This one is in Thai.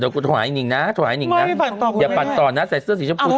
ไม่ไม่ปั่นต่อคุณแม่อย่าปั่นต่อนะใส่เสื้อสีชมพูเต็ก